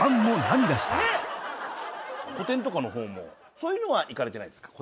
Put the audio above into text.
そういうのは行かれてないですか？